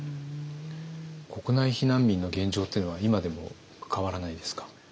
国内避難民の現状っていうのは今でも変わらないですか？